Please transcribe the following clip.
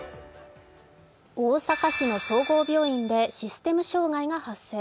大阪市の総合病院でシステム障害が発生。